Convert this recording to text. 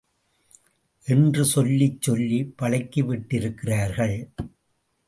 என்று சொல்லிச் சொல்லிப் பழக்கி விட்டிருக்கிறார்கள்.